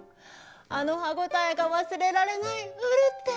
あの歯応えが忘れられないウルテ。